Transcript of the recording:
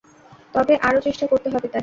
তবে, আরো চেষ্টা করতে হবে তাকে।